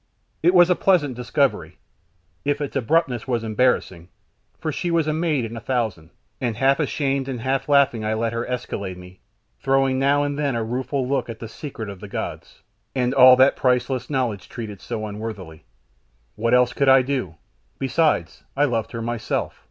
It was a pleasant discovery, if its abruptness was embarrassing, for she was a maid in a thousand; and half ashamed and half laughing I let her escalade me, throwing now and then a rueful look at the Secret of the Gods, and all that priceless knowledge treated so unworthily. What else could I do? Besides, I loved her myself!